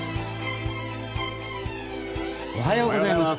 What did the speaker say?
おはようございます。